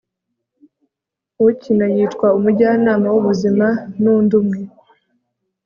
ukina yitwa umujyanama w'ubuzima n'undi umwe